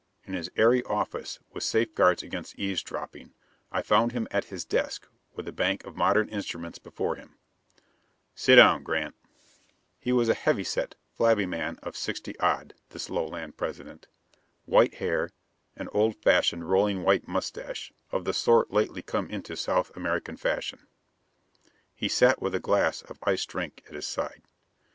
In his airy office, with safeguards against eavesdropping, I found him at his desk with a bank of modern instruments before him. "Sit down, Grant." He was a heavy set, flabby man of sixty odd, this Lowland President. White hair; and an old fashioned, rolling white mustache of the sort lately come into South American fashion. He sat with a glass of iced drink at his side.